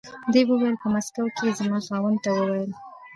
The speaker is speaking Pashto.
دې وویل په مسکو کې یې زما خاوند ته و ویل.